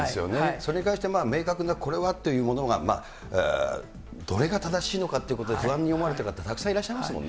それに関して明確な、これはっていうものが、どれが正しいのかっていうことで、不安に思われている方、たくさんいらっしゃいますもんね。